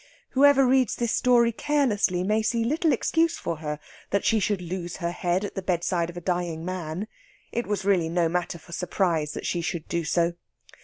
Whoever reads this story carelessly may see little excuse for her that she should lose her head at the bedside of a dying man. It was really no matter for surprise that she should do so.